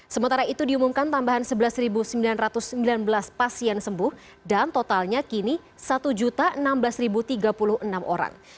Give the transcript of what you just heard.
sementara itu diumumkan tambahan sebelas sembilan ratus sembilan belas pasien sembuh dan totalnya kini satu enam belas tiga puluh enam orang